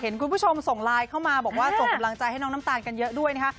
คุณผู้ชมส่งไลน์เข้ามาบอกว่าส่งกำลังใจให้น้องน้ำตาลกันเยอะด้วยนะคะ